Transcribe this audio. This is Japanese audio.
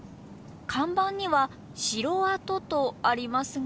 看板には城跡とありますが。